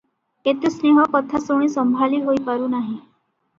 ଏତେ ସ୍ନେହ କଥା ଶୁଣି ସମ୍ଭାଳି ହୋଇ ପାରୁ ନାହିଁ ।